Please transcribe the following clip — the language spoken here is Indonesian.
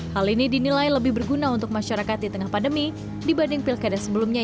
hal ini dinilai lebih berguna untuk masyarakat di tengah pandemi dibanding pilkada sebelumnya